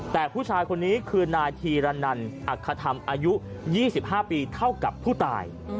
แต่ผู้ชายคนนี้คือนายธีรนันอัคธรรมอายุ๒๕ปีเท่ากับผู้ตาย